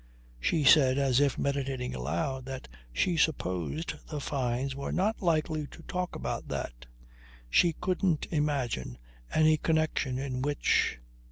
She said as if meditating aloud that she supposed the Fynes were not likely to talk about that. She couldn't imagine any connection in which